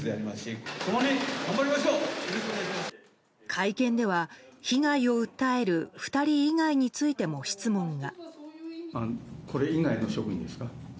会見では、被害を訴える２人以外についても質問が。